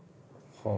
はあ！